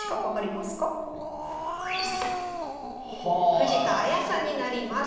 藤田綾さんになります。